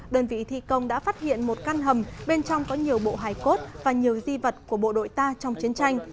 đơn vị thi công đã phát hiện một căn hầm bên trong có nhiều bộ hải cốt và nhiều di vật của bộ đội ta trong chiến tranh